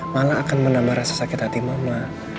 malah akan menambah rasa sakit hati mama